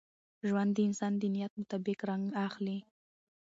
ژوند د انسان د نیت مطابق رنګ اخلي.